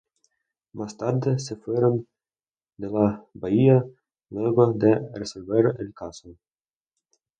Más tarde se fueron de la bahía luego de resolver el caso.